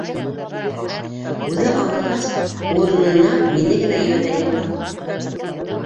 Үҙе ауырығас, урынына мине генә ебәрһә ни була!